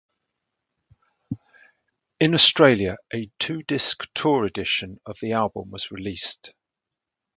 In Australia a two-disc Tour Edition of the album was released.